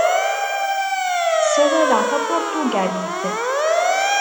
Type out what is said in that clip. Ssawaleɣ tapuṛtugalit.